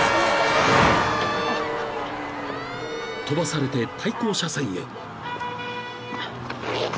［飛ばされて対向車線へ］